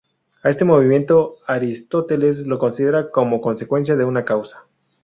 A este movimiento, Aristóteles lo considerará como consecuencia de una causa.